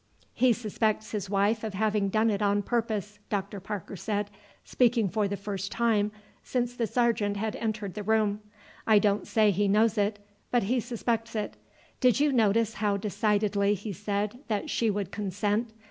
"He suspects his wife of having done it on purpose," Dr. Parker said, speaking for the first time since the sergeant had entered the room. "I don't say he knows it, but he suspects it. Did you notice how decidedly he said that she would consent?